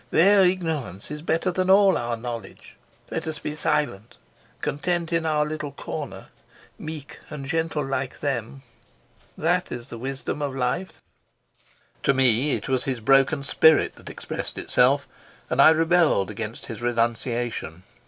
Their ignorance is better than all our knowledge. Let us be silent, content in our little corner, meek and gentle like them. That is the wisdom of life." To me it was his broken spirit that expressed itself, and I rebelled against his renunciation.